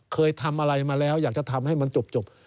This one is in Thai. เคยทำอะไรมาแล้วอยากจะทำให้มันจบ